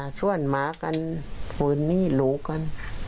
ก็ช่วนมากันคนนี้หลุกกัน